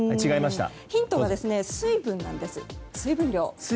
ヒントは水分なんです。